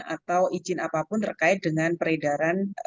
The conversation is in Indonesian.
atau izin apapun terkait dengan peredaran